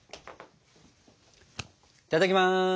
いただきます。